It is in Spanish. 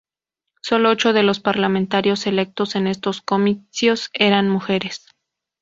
Solo ocho de los parlamentarios electos en estos comicios eran mujeres.